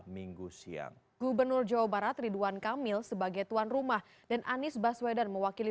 minggu siang gubernur jawa barat ridwan kamil sebagai tuan rumah dan anies baswedan mewakili